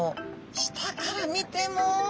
下から見ても。